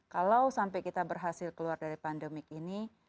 kalau sampai kita berhasil keluar dari pandemik ini